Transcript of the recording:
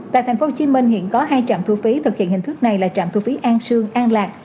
tại tp hcm hiện có hai trạm thu phí thực hiện hình thức này là trạm thu phí an sương an lạc